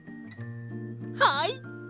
はい！